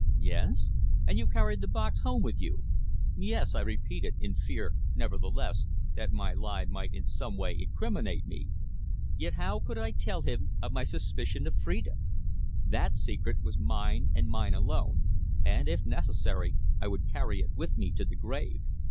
"Yes." "And you carried the box home with you?" "Yes," I repeated; in fear nevertheless, that my lie might in some way incriminate me. Yet how could I tell him of my suspicion of Phrida. That secret was mine and mine alone, and, if necessary, I would carry it with me to the grave.